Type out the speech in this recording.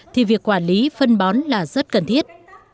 thì việc quản lý phân bón là rất cần thiết